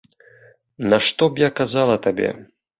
Нашто б я казала табе.